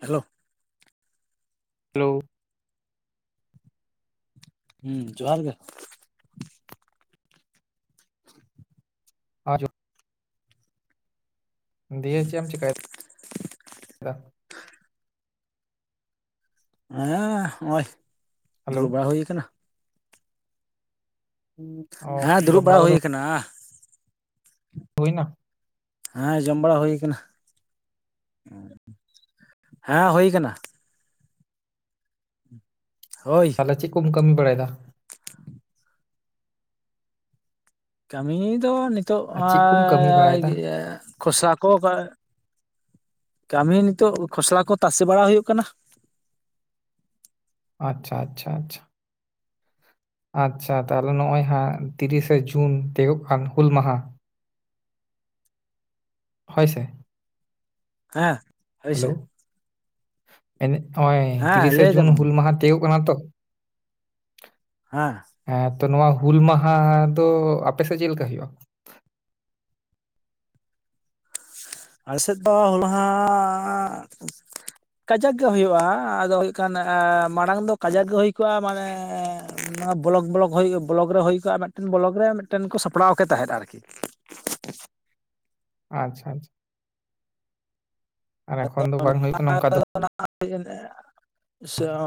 Hello hello ᱡᱚᱦᱟᱨ ᱜᱮ ᱟ ᱡᱚ ᱫᱤᱭᱮ ᱪᱮᱜ ᱮᱢ ᱪᱮᱠᱟᱭ ᱫᱟ ᱦᱮᱸ ᱱᱚᱜᱼᱚᱭ ᱦᱮᱞᱳ ᱫᱩᱲᱩᱵ ᱵᱟᱲᱟ ᱦᱩᱭ ᱠᱟᱱᱟ᱾ [unintelligible] ᱦᱮᱸ ᱡᱚᱢ ᱫᱩᱲᱩᱵ ᱵᱟᱲᱟ ᱦᱩᱭ ᱠᱚᱫᱚ ᱟᱠᱟᱱᱟ ᱦᱩᱭ ᱮᱱᱟ ᱦᱟᱸ ᱡᱚᱢ ᱵᱟᱲᱟ ᱦᱩᱭ ᱠᱟᱱᱟ᱾ ᱦᱟᱸ ᱦᱩᱭ ᱟᱠᱟᱱᱟ ᱦᱚᱭ ᱟᱨ ᱪᱮᱫ ᱠᱚᱢ ᱠᱟᱹᱢᱤ ᱵᱟᱲᱟᱭ ᱫᱟ? ᱠᱟᱹᱢᱤ ᱫᱚ ᱱᱤᱛᱚᱜ ᱟᱨ ᱪᱮᱫ ᱠᱚᱢ ᱟᱹᱭ ᱠᱟᱹᱢᱤ ᱟᱨ ᱵᱟᱲᱟᱭᱮᱫᱟ ᱜᱮ ᱠᱷᱚᱥᱞᱟ ᱠᱚ ᱜᱮ, ᱠᱟᱹᱢᱤ ᱱᱤᱛᱚᱜ ᱠᱷᱚᱥᱞᱟ ᱠᱚ ᱛᱟᱥᱮ ᱵᱟᱲᱟ ᱦᱩᱭᱩᱜ ᱠᱟᱱᱟ᱾ ᱟᱪᱪᱷᱟ ᱟᱪᱪᱷᱟ ᱟᱪᱪᱷᱟ ᱟᱪᱪᱷᱟ ᱛᱟᱦᱚᱞᱮ ᱱᱚᱜ-ᱚᱭ ᱦᱟᱸᱜ ᱛᱤᱨᱤᱥᱮ ᱡᱩᱱ ᱛᱤᱭᱟᱹᱜᱚᱜ ᱠᱟᱱ ᱦᱩᱞ ᱢᱟᱦᱟ᱾ ᱦᱚᱭ ᱥᱮ ᱦᱮᱸ ᱦᱳᱭᱥᱮ ᱦᱮᱞᱚᱣ ᱮᱱᱮᱜ-ᱚᱭ ᱦᱮᱸ ᱛᱤᱨᱤᱥᱮ ᱞᱟᱹᱭ ᱡᱩᱱ ᱫᱟᱵᱚᱱ ᱢᱟ ᱦᱩᱞ ᱢᱟᱸᱦᱟ ᱛᱤᱭᱩᱜᱚᱜ ᱠᱟᱱᱟ ᱛᱚ ᱦᱟᱸ ᱦᱮᱸ ᱛᱚ, ᱱᱚᱣᱟ ᱦᱩᱞ ᱢᱟᱸᱦᱟ ᱫᱚ ᱟᱯᱮ ᱥᱮᱡ ᱪᱮᱫ ᱞᱮᱠᱟ ᱦᱩᱭᱩᱜᱼᱟ᱾ ᱟᱞᱮ ᱥᱮᱫ ᱫᱚ ᱦᱩᱞᱟᱸᱦᱟ ᱠᱟᱡᱟᱠ ᱜᱮ ᱦᱩᱭᱩᱜᱼᱟ ᱟᱫᱚ ᱦᱩᱭᱩᱜ ᱠᱷᱟᱱ ᱢᱟᱲᱟᱝ ᱫᱚ ᱠᱟᱡᱟᱠ ᱜᱮ ᱦᱩᱭ ᱠᱚᱜᱼᱟ ᱢᱟᱱᱮ ᱵᱞᱚᱠ ᱵᱞᱚᱠ ᱵᱞᱚᱠ ᱨᱮ ᱦᱩᱭ ᱠᱚᱜᱼᱟ ᱢᱤᱫᱴᱮᱱ ᱵᱞᱚᱠ ᱨᱮ ᱢᱤᱫᱴᱮᱱ ᱠᱚ ᱥᱟᱯᱲᱟᱣ ᱠᱮ ᱛᱟᱦᱮᱸᱫ ᱟᱨᱠᱤ ᱟᱪᱪᱷᱟ ᱟᱪᱪᱷᱟ ᱟᱨ ᱮᱠᱷᱚᱱ ᱫᱚ ᱵᱟᱝ ᱦᱩᱭᱩᱜ ᱠᱟᱱ ᱱᱚᱝᱠᱟ ᱫᱚ᱾ [unintelligible]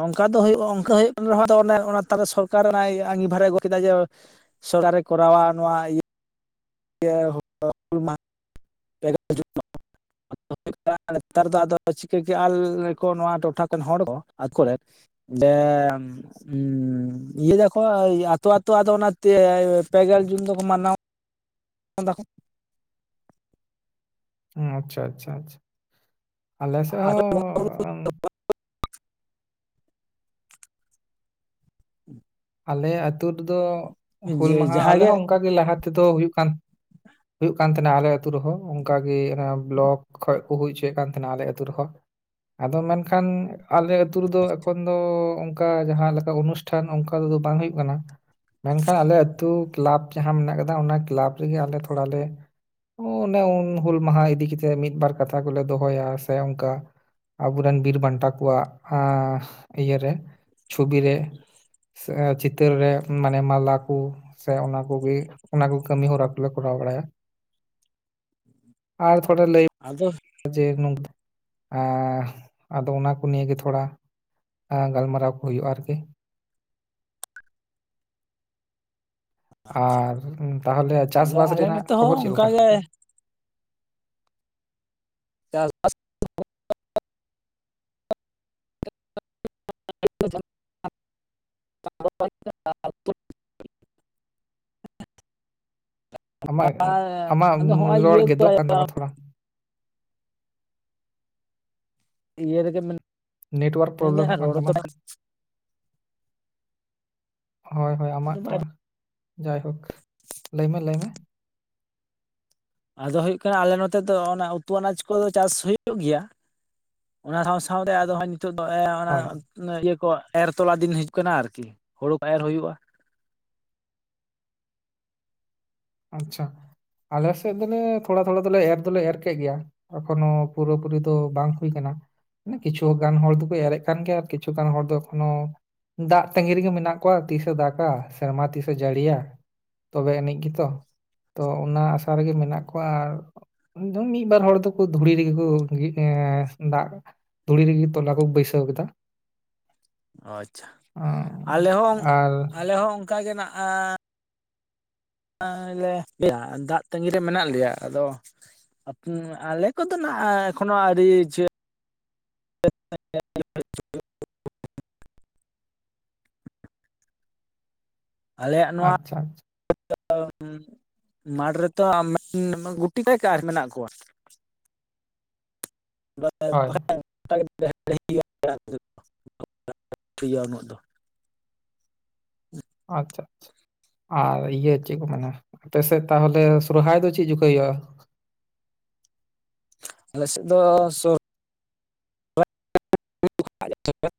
ᱚᱝᱠᱟ ᱫᱚ ᱦᱩᱭᱩᱜᱼᱟ ᱚᱝᱠᱟ ᱦᱩᱭᱩᱜ ᱠᱟᱱ ᱨᱮᱦᱚᱸ ᱟᱫᱚ ᱚᱱᱮ ᱚᱱᱟ ᱛᱟᱞᱟ ᱥᱚᱨᱠᱟᱨ ᱚᱱᱟᱭ ᱟᱹᱝᱜᱷᱤᱵᱷᱟᱨ ᱨᱮ ᱟᱹᱜᱩ ᱠᱮᱫᱟᱭ ᱡᱮ ᱥᱚᱨᱟᱨᱮ ᱠᱚᱨᱟᱣᱟ ᱱᱚᱣᱟ [unintelligible] ᱢᱟᱦᱟ [unintelligible] [unintelligible] ᱱᱮᱛᱟᱨ ᱫᱚ ᱟᱫᱚ ᱪᱤᱠᱟᱹ ᱞᱮ ᱠᱚ ᱱᱚᱣᱟ ᱴᱚᱴᱷᱟ [unintelligible] ᱦᱚᱲ ᱫᱚ ᱰᱮᱢ ᱤᱭᱟᱹ ᱫᱟᱠᱚ ᱟᱛᱩ ᱟᱛᱩ ᱟᱫᱚ ᱚᱱᱟ ᱯᱮ ᱜᱮᱞ ᱡᱩᱱ ᱫᱚᱠᱚ ᱢᱟᱱᱟᱣᱟ᱾ [unintelligible] ᱟᱪᱪᱷᱟ ᱟᱪᱪᱷᱟ ᱟᱪᱪᱷᱟ ᱟᱞᱮ ᱥᱮᱫ ᱦᱚᱸ᱾ ᱟᱞᱮ ᱟᱛᱩ ᱨᱮᱫᱚ ᱦᱩᱞ ᱢᱟᱦᱟ ᱟᱞᱮ ᱡᱟᱦᱟᱸᱜᱮ ᱦᱚᱸ ᱚᱝᱠᱟ ᱜᱮ ᱞᱟᱦᱟ ᱛᱮᱫᱚ ᱦᱩᱭᱩᱜ ᱠᱟᱱ ᱦᱩᱭᱩᱜ ᱠᱟᱱ ᱛᱟᱦᱮᱸ ᱟᱞᱮ ᱟᱛᱩ ᱨᱮᱦᱚᱸ ᱚᱝᱠᱟ ᱜᱮ ᱚᱱᱮ ᱵᱞᱚᱠ ᱠᱷᱚᱱᱚᱡ ᱠᱚ ᱦᱩᱭ ᱚᱪᱚᱭᱮᱫ ᱠᱟᱱ ᱛᱟᱦᱮᱱ ᱟᱞᱮ ᱟᱛᱩ ᱨᱮᱦᱚᱸ᱾ ᱟᱫᱚ ᱢᱮᱱᱠᱷᱟᱱ ᱟᱞᱮ ᱟᱹᱛᱩ ᱨᱮᱫᱚ ᱮᱠᱷᱚᱱ ᱫᱚ ᱚᱱᱠᱟ ᱡᱟᱦᱟᱸ ᱞᱮᱠᱟ ᱚᱱᱩᱥᱴᱷᱟᱱ ᱚᱱᱠᱟ ᱛᱮᱫᱚ ᱵᱟᱝ ᱦᱩᱭᱩᱜ ᱠᱟᱱᱟ᱾ ᱢᱮᱱ ᱠᱷᱟᱱ ᱟᱞᱮ ᱟᱹᱛᱩ ᱠᱤᱞᱟᱵ ᱡᱟᱦᱟᱸ ᱢᱮᱱᱟᱜ ᱠᱟᱫᱟ ᱚᱱᱟ ᱠᱤᱞᱟᱵ ᱨᱮᱜᱮ ᱟᱞᱮ ᱛᱷᱚᱲᱞᱮ ᱚᱱᱮ ᱩᱱ ᱦᱩᱞ ᱢᱟᱦᱟ ᱤᱫᱤ ᱠᱟᱛᱮᱜ ᱢᱤᱫᱵᱟᱨ ᱠᱟᱛᱷᱟ ᱠᱩᱞᱮ ᱫᱚᱦᱚᱭᱟ ᱥᱮ ᱚᱱᱠᱟ᱾ ᱟᱵᱩ ᱨᱮᱱ ᱵᱤᱨ ᱵᱟᱱᱴᱟ ᱠᱩᱣᱟᱜ ᱤᱭᱟᱹ ᱨᱮ ᱪᱷᱚᱵᱤᱨ ᱨᱮ᱾ ᱪᱤᱛᱟᱹᱨ ᱨᱮ ᱢᱟᱱᱮ ᱢᱟᱞᱟ ᱠᱩ ᱥᱮ ᱚᱱᱟ ᱠᱚᱜᱮ ᱚᱱᱟ ᱠᱚ ᱠᱟᱹᱢᱤ ᱦᱚᱨᱟ ᱠᱚᱞᱮ ᱠᱚᱨᱟᱣ ᱵᱟᱲᱟᱭᱟ᱾ [unintelligible] ᱟᱨ ᱛᱷᱚᱲᱟ ᱞᱟᱹᱭ ᱟᱫᱚ ᱡᱮ ᱱᱚ ᱟᱫᱚ ᱚᱱᱟ ᱠᱚ ᱱᱤᱭ ᱜᱮ ᱛᱷᱚᱲᱟ ᱜᱟᱞᱢᱟᱨᱟᱣ ᱠᱩ ᱦᱩᱭᱩᱜᱼᱟ ᱟᱨᱠᱤ ᱟᱨ ᱛᱟᱦᱚᱞᱮ ᱪᱟᱥ ᱟᱫᱚ ᱵᱟᱥ ᱟᱞᱮ ᱨᱮᱱᱟᱜ ᱱᱚᱛᱮ ᱦᱚᱸ ᱠᱷᱚᱵᱚᱨ ᱪᱮᱫ ᱞᱮᱠᱟ᱾ ᱚᱱᱠᱟᱜᱮ ᱪᱟᱥ ᱵᱟᱥ [inaudible] [inaudible] [inaudible] ᱟᱢᱟᱜ ᱟᱢᱟᱜ ᱟᱫᱚ ᱦᱚᱸᱜᱼᱚᱭ ᱨᱚᱲ ᱤᱭᱟᱹ ᱜᱮᱫᱚᱜ ᱠᱟᱱ ᱛᱟᱢᱟ ᱛᱷᱚᱲᱟ ᱤᱭᱟᱹ ᱨᱮᱜᱮᱱᱟ ᱱᱮᱴᱣᱟᱨᱠ ᱢᱤᱱᱟᱹᱧᱟ ᱯᱨᱚᱵᱞᱮᱢᱚᱜ ᱠᱟᱱ ᱨᱚᱲ ᱛᱟᱢᱟ ᱫᱚ ᱦᱳᱭ ᱦᱳᱭ ᱟᱢᱟᱜ ᱫᱚ ᱵᱟᱭ ᱛᱷᱚᱲ ᱡᱟᱭᱦᱳᱠ ᱞᱟᱹᱭ ᱢᱮ ᱞᱟᱹᱭ ᱢᱮ ᱟᱫᱚ ᱦᱳᱜ ᱠᱟᱱᱟ ᱟᱞᱮ ᱱᱚᱛᱮ ᱫᱚ ᱚᱱᱟ ᱩᱛᱩ ᱟᱱᱟᱡ ᱠᱚ ᱫᱚ ᱪᱟᱥ ᱦᱩᱭᱩᱜ ᱜᱮᱭᱟ ᱚᱱᱟ ᱥᱟᱶ ᱥᱟᱶ ᱨᱮ ᱟᱫᱚ ᱦ ᱱᱤᱛᱚᱜ ᱫᱚ ᱚᱱᱟ ᱦᱳᱭ ᱤᱭᱟᱹ ᱠᱚ ᱮᱨ ᱛᱚᱞᱟ ᱫᱤᱱ ᱦᱤᱡ ᱠᱟᱱᱟ ᱟᱨᱠᱤ ᱦᱳᱲᱩ ᱠᱚ ᱮᱨ ᱦᱩᱭᱩᱜᱼᱟ ᱟᱪᱪᱷᱟ ᱟᱞᱮ ᱥᱮᱫ ᱫᱚᱞᱮ ᱛᱷᱚᱲᱟ ᱛᱷᱚᱲᱟ ᱫᱚᱞᱮ ᱮᱨ ᱫᱚᱞᱮ ᱮᱨ ᱠᱮᱫ ᱜᱮᱭᱟ ᱮᱠᱷᱚᱱᱳ ᱯᱩᱨᱟᱹ ᱯᱩᱨᱤ ᱫᱚ ᱵᱟᱝ ᱦᱩᱭ ᱠᱟᱱᱟ ᱠᱤᱪᱷᱩ ᱜᱟᱱ ᱦᱚᱲ ᱫᱚᱠᱩ ᱮᱨᱮᱜ ᱠᱟᱱ ᱜᱮᱭᱟ ᱟᱨ ᱠᱤᱪᱷᱩ ᱜᱟᱱ ᱦᱚᱲ ᱫᱚ ᱮᱠᱷᱚᱱᱳ ᱫᱟᱜ ᱛᱟᱺᱜᱤ ᱨᱮᱜᱮ ᱢᱮᱱᱟᱜ ᱠᱚᱣᱟ ᱛᱤᱥᱮ ᱫᱟᱜᱟ ᱥᱮᱨᱢᱟ ᱛᱤᱥᱮ ᱡᱟᱹᱲᱤᱭᱟ᱾ ᱛᱚᱵᱮ ᱮᱱᱮᱡ ᱜᱤᱛᱚ ᱛᱚ ᱚᱱᱟ ᱟᱥᱟ ᱨᱮᱜᱮ ᱢᱮᱱᱟᱜ ᱠᱚᱣᱟ ᱟᱨ ᱮᱢᱚᱱ ᱢᱤᱫ ᱵᱟᱨ ᱦᱚᱲ ᱫᱚ ᱠᱚ ᱫᱷᱩᱲᱤ ᱨᱮᱜᱮ ᱠᱚ ᱮ ᱫᱟᱜ ᱫᱷᱩᱲᱤ ᱨᱮᱜᱮ ᱛᱚᱞᱟ ᱠᱚ ᱵᱟᱹᱭᱥᱟᱹᱣ ᱠᱮᱫᱟ ᱟᱪᱪᱷᱟ ᱟᱸ, ᱟᱞᱮ ᱦᱚᱸ ᱟᱨ ᱟᱞᱮ ᱦᱚᱸ ᱚᱱᱠᱟ ᱜᱮ ᱞᱮ ᱫᱟᱜ ᱛᱟᱜᱤ ᱨᱮ ᱢᱮᱱᱟᱜ ᱞᱮᱭᱟ ᱟᱫᱚ ᱟᱞᱮ ᱠᱚ ᱫᱚ ᱱᱮᱜᱮ ᱮᱠᱷᱚᱱᱳ ᱟᱣᱨᱤ [inaudible] ᱟᱞᱮᱭᱟᱜ ᱱᱚᱣᱟ ᱟᱪᱪᱷᱟ ᱟᱪᱪᱷᱟ ᱢᱟᱴᱷ ᱢᱟᱴ ᱨᱮᱛᱚ [inaudible] ᱜᱩᱴᱤ ᱠᱟᱭᱠ ᱟᱨ ᱢᱮᱱᱟᱜ ᱠᱚᱣᱟ [unintelligible] ᱦᱳᱭ [inaudible] ᱦᱩᱸ [inaudible] ᱟᱪᱷᱟ ᱟᱪᱷᱟ ᱟᱨ ᱤᱭᱟᱹ ᱪᱮᱫ ᱠᱚ ᱢᱮᱱᱟ ᱟᱯᱮ ᱥᱮᱫ ᱛᱟᱦᱚᱞᱮ ᱥᱚᱨᱚᱦᱟᱭ ᱫᱚ ᱪᱮᱫ ᱡᱚᱠᱷᱮᱡ ᱦᱩᱭᱩᱜᱼᱟ ᱾ ᱟᱞ ᱥᱮᱫ ᱫᱚ ᱥᱩᱨ [inaudible]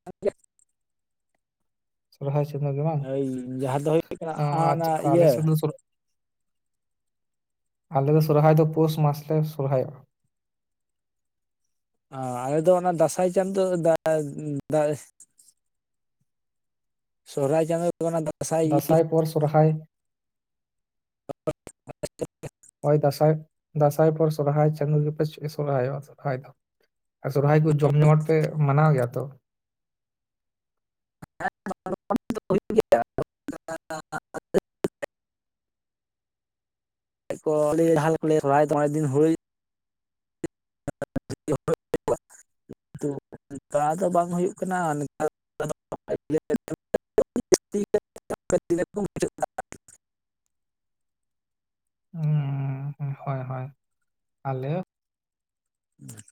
ᱥᱚᱨᱦᱟᱭ ᱥᱚᱢᱚᱭ ᱜᱮ ᱵᱟᱝ ᱡᱟᱦᱟᱸ ᱫᱚ ᱦᱩᱭᱩᱜ ᱠᱟᱱᱟ ᱟᱨ ᱚᱱᱟ ᱪᱮᱜᱠᱟ ᱟᱞᱮ ᱤᱭᱟᱹ ᱥᱮᱫ ᱫᱚ ᱥᱚᱨᱦᱟᱭ ᱟᱞᱮ ᱫᱚ ᱥᱚᱨᱦᱟᱭ ᱫᱚ ᱯᱳᱥ ᱢᱟᱥ ᱞᱮ ᱥᱚᱨᱦᱟᱭᱚᱜᱼᱟ ᱾ ᱚ ᱟᱞᱮ ᱫᱚ ᱚᱱᱟ ᱫᱟᱸᱥᱟᱭ ᱪᱟᱸᱫᱚᱳ ᱥᱚᱨᱚᱦᱟᱭ ᱪᱟᱹᱫᱚ ᱚᱱᱟ ᱫᱚ [inaudible] ᱫᱟᱸᱥᱟᱭ ᱯᱚᱨ ᱥᱚᱨᱦᱟᱭ ᱦᱚᱭ ᱫᱟᱥᱟᱭ ᱫᱟᱸᱥᱟᱭ ᱯᱚᱨ ᱥᱚᱨᱦᱟᱭ ᱪᱟᱸᱫᱳ ᱜᱮ ᱯᱮ ᱥᱚᱨᱦᱟᱭᱚᱜ-ᱟ ᱥᱚᱨᱦᱟᱭ ᱫᱚ ᱟᱨ ᱥᱚᱨᱚᱦᱟᱭ ᱠᱚ ᱡᱚᱢ ᱡᱚᱢᱚᱴ ᱯᱮ ᱢᱟᱱᱟᱣ ᱜᱮᱭᱟ ᱛᱚ ᱦᱩᱭᱩᱜ ᱜᱮᱭᱟ [inaudible] ᱰ ᱠᱚ ᱥᱚᱨᱦᱟᱭ ᱫᱚ [inaudible] ᱫᱤᱱ ᱦᱩᱭ [inaudible] ᱛᱚ ᱚᱱᱠᱟ ᱫᱚ ᱵᱟᱝ ᱦᱩᱭᱩᱜ ᱠᱟᱱᱟ [inaudible] ᱠᱚ [inaudible] ᱦᱩᱸ ᱦᱳᱭ ᱦᱳᱭ ᱟᱞᱮ ᱦᱚᱸ ᱦᱩᱸ [inaudible]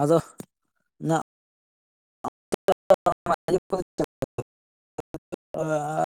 ᱟᱫᱚ ᱱᱟ [inaudible]